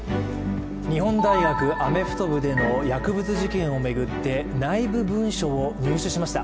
日本大学アメフト部での薬物事件を巡って内部文書を入手しました。